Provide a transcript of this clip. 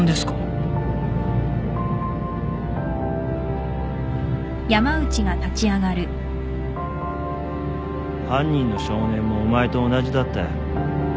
犯人の少年もお前と同じだったよ。